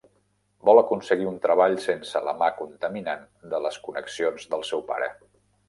Vol aconseguir un treball sense la mà contaminant de les connexions del seu pare.